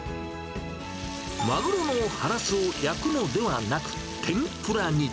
マグロのハラスを焼くのではなく、天ぷらに。